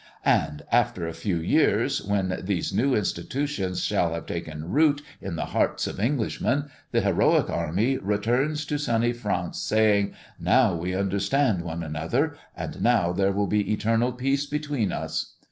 "And after a few years, when these new institutions shall have taken root in the hearts of Englishmen, the heroic army returns to sunny France, saying, 'Now we understand one another, and now there will be eternal peace between us.'